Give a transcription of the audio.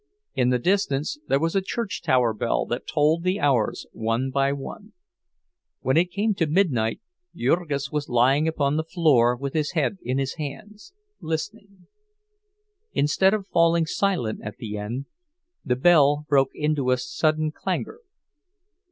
In the distance there was a church tower bell that tolled the hours one by one. When it came to midnight Jurgis was lying upon the floor with his head in his arms, listening. Instead of falling silent at the end, the bell broke into a sudden clangor.